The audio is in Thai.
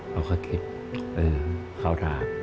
เราก็คิดเออเขาถาม